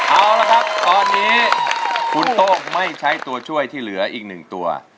เอาละครับตอนนี้คุณโต๊ะไม่ใช้ตัวช่วยที่เหลืออีกหนึ่งตัว